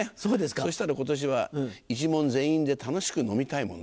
そしたら今年は一門全員で楽しく飲みたいもんね。